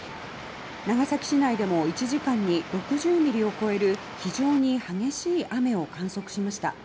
長崎市内でも１時間に６０ミリを超える非常に激しい雨を観測しました。